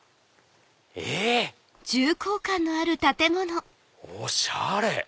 えっ⁉おしゃれ！